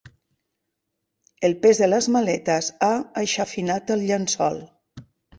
El pes de les maletes ha aixafinat el llençol.